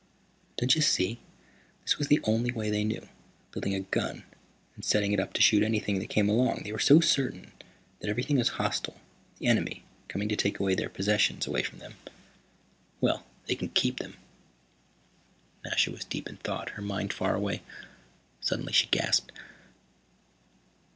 "Don't you see? This was the only way they knew, building a gun and setting it up to shoot anything that came along. They were so certain that everything was hostile, the enemy, coming to take their possessions away from them. Well, they can keep them." Nasha was deep in thought, her mind far away. Suddenly she gasped.